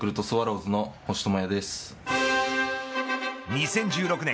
２０１６年